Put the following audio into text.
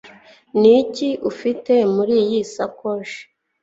Niki ufite muriyi sakoshi